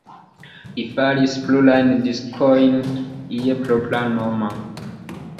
Li faris plurajn diskojn je propra nomo.